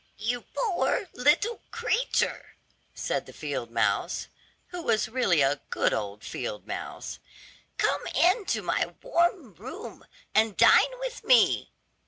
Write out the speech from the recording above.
"You poor little creature," said the field mouse, who was really a good old field mouse, "come into my warm room and dine with me."